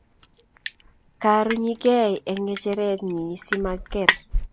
kaaruny kei eng kecheret nyii simaker